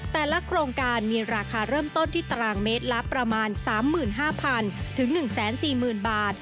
แต่ละโครงการมีราคาเริ่มต้นที่ตารางเมตรละประมาณ๓๕๐๐๐ถึง๑๔๐๐๐บาท